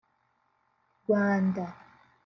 Rwanda)